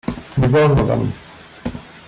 "Nie wolno wam!"